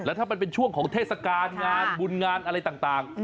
ถ้ามันเป็นช่วงของเทศกาลงานบุญงานอะไรต่าง